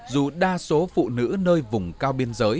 dù đa số phụ nữ nơi vùng cao biên giới